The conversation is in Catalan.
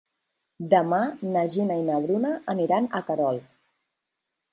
Demà na Gina i na Bruna aniran a Querol.